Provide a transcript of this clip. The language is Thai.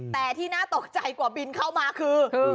แต่ที่น่าตกใจกว่าบินเข้ามาคือ